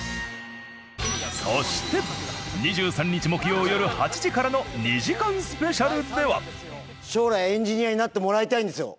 そして２３日木曜よる８時からの２時間スペシャルでは。